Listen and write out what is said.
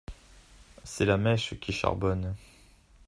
C’est la mèche qui charbonne…